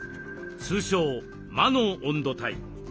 通称魔の温度帯。